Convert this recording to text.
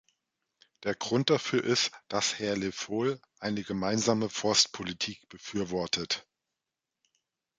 Der Grund dafür ist, dass Herr Le Foll eine gemeinsame Forstpolitik befürwortet.